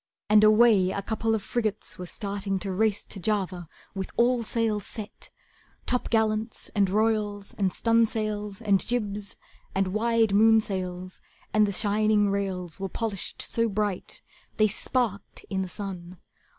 And away a couple of frigates were starting To race to Java with all sails set, Topgallants, and royals, and stunsails, and jibs, And wide moonsails; and the shining rails Were polished so bright they sparked in the sun.